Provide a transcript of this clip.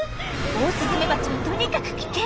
オオスズメバチはとにかく危険！